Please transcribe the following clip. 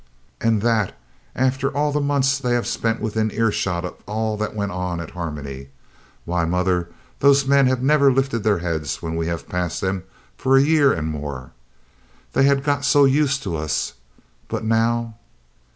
"And that, after all the months they have spent within earshot of all that went on at Harmony! Why, mother, those men have never lifted their heads when we have passed them for a year and more, they had got so used to us, but now